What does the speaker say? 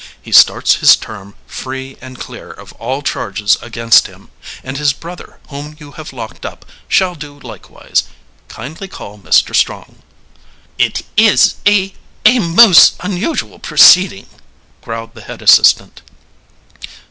He starts his term free and clear of all charges against him and his brother whom you have locked up shall do likewise. Kindly call Mr. Strong." "It is a a most unusual proceeding," growled the head assistant.